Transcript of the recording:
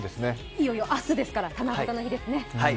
いよいよ明日ですから、七夕の日ですね。